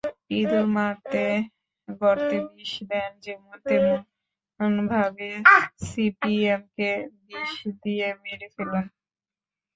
ইঁদুর মারতে গর্তে বিষ দেন যেমন, তেমনভাবে সিপিএমকে বিষ দিয়ে মেরে ফেলুন।